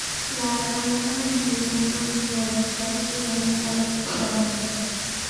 La Barranca empieza entonces a realizar viajes al extranjero.